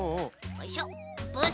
よいしょ。